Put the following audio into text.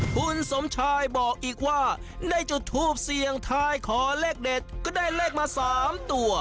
คุณสมชายบอกอีกว่าได้จุดทูปเสี่ยงทายขอเลขเด็ดก็ได้เลขมา๓ตัว